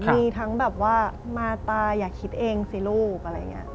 มีทั้งแบบว่ามาตายอย่าคิดเองสิลูกอะไรอย่างนี้